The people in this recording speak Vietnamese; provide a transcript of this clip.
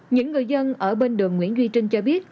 những người dân ở bên đường nguyễn duy trinh cho biết